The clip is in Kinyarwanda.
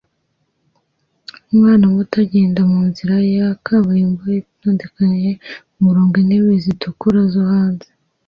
Umwana muto agenda munzira ya kaburimbo itondekanye umurongo wintebe zitukura zo hanze